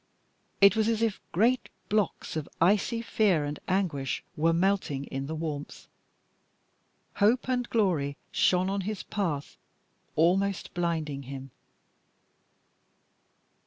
It was as if great blocks of icy fear and anguish were melting in the warmth. Hope and glory shone on his path, almost blinding him.